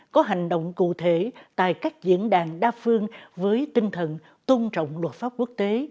có hành động cụ thể tại các diễn đàn đa phương với tinh thần tôn trọng luật pháp quốc tế